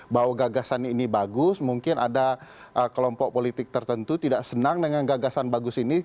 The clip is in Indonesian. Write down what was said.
bahwa gagasan ini bagus mungkin ada kelompok politik tertentu tidak senang dengan gagasan bagus ini